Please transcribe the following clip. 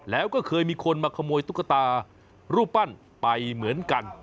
แล้วก็เคยมีคนมาขโมยตุ๊กตารูปปั้นไปเหมือนกัน